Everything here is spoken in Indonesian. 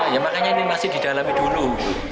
ya makanya ini masih didalami dulu